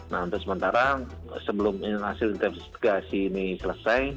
nah untuk sementara sebelum hasil investigasi ini selesai